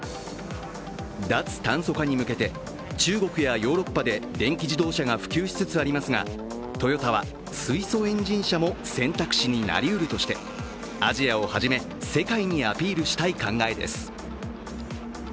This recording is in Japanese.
脱炭素化に向けて中国やヨーロッパで電気自動車が普及しつつありますがトヨタは水素エンジン車も選択肢になりうるとしてアジアをはじめ世界にアピールしたい考えです。